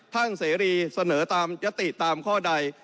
ท่านเสรีเสนอยติตามข้อใด